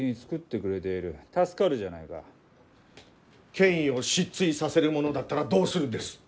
権威を失墜させるものだったらどうするんです？